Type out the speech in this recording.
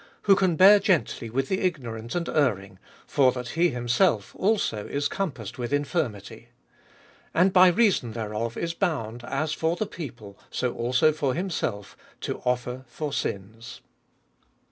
Who can bear gently with the ignorant and erring, for that he himself also is compassed with infirmity ; 1 3. And by reason thereof is bound, as for the people, so also for himself, to offer for sins.